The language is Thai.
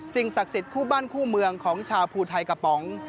ศักดิ์สิทธิ์คู่บ้านคู่เมืองของชาวภูไทยกระป๋อง